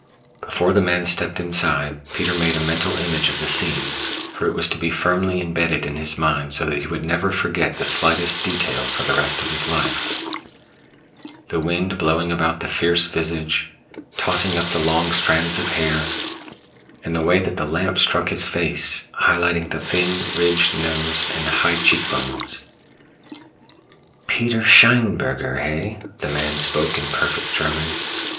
Before the man stepped inside, Peter made a mental image of the scene, for it was to be firmly imbedded in his mind so that he would never forget the slightest detail for the rest of his life the wind blowing about the fierce visage, tossing up the long strands of hair; the massive, veined hand that clutched the wrought iron thumb latch, and the way that the lamp struck his face, highlighting the thin, ridged nose and high cheekbones. "Peter Scheinberger, heh?" the man spoke in perfect German.